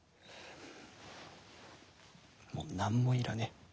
もう何もいらねぇ。